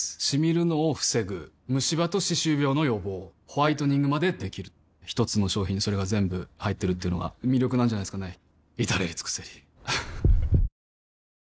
シミるのを防ぐムシ歯と歯周病の予防ホワイトニングまで出来る一つの商品にそれが全部入ってるっていうのが魅力なんじゃないですかね